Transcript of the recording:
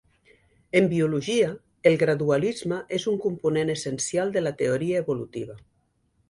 En biologia, el gradualisme és un component essencial de la teoria evolutiva.